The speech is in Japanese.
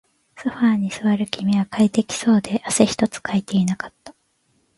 ソファーに座る君は快適そうで、汗一つかいていなかった